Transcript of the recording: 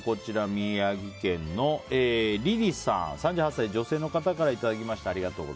宮城県の３８歳女性の方からいただきました。